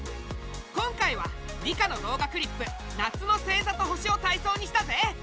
今回は理科の動画クリップ「夏の星ざと星」をたいそうにしたぜ！